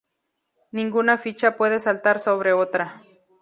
Ninguna ficha puede saltar sobre otra.